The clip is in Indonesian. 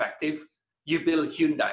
anda membangun hyundai